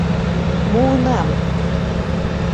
Муынам.